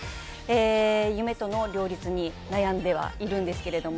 夢との両立に悩んではいるんですけども。